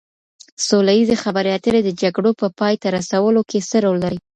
سوله ييزې خبرې اترې د جګړو په پای ته رسولو کي څه رول لري؟